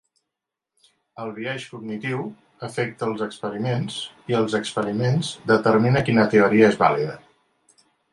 El biaix cognitiu afecta els experiments i els experiments determina quina teoria és vàlida.